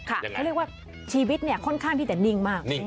เขาเรียกว่าชีวิตค่อนข้างที่จะนิ่งมาก